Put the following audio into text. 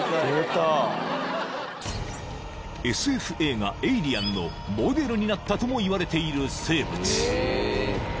［ＳＦ映画『エイリアン』のモデルになったともいわれている生物］